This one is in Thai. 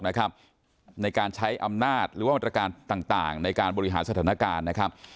ในการใช้อำนาจหรือว่ามาตรการต่างในการบริหารสถานการณ์นะครับ